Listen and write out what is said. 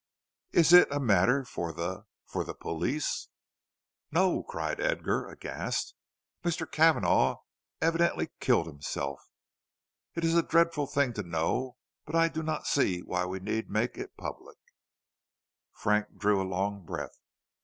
Is it a matter for the for the police?" "No," cried Edgar, aghast. "Mr. Cavanagh evidently killed himself. It is a dreadful thing to know, but I do not see why we need make it public." Frank drew a long breath.